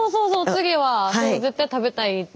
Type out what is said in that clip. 次は絶対食べたいって。